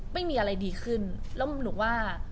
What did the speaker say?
ไม่มีอะไรดีขึ้นแล้วหนูว่า